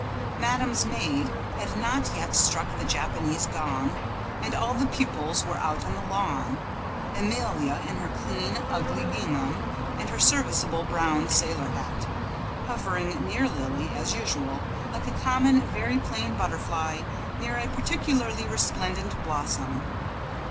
Madame's maid had not yet struck the Japanese gong, and all the pupils were out on the lawn, Amelia, in her clean, ugly gingham and her serviceable brown sailor hat, hovering near Lily, as usual, like a common, very plain butterfly near a particularly resplendent blossom.